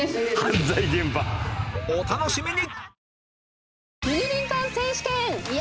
お楽しみに！